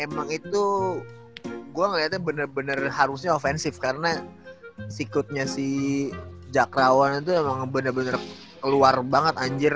emang itu gue ngeliatnya bener bener harusnya ofensif karena sikutnya si jakrawan itu emang bener bener keluar banget anjir